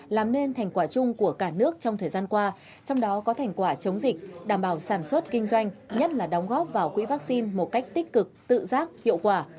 làm nên thành quả chung của cả nước trong thời gian qua trong đó có thành quả chống dịch đảm bảo sản xuất kinh doanh nhất là đóng góp vào quỹ vaccine một cách tích cực tự giác hiệu quả